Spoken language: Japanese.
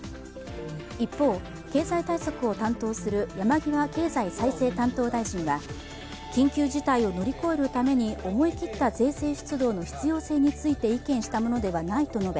一方、経済対策を担当する山際経済再生担当大臣は緊急事態を乗り越えるために思い切った税制出動の必要性について意見したものではないと述べ、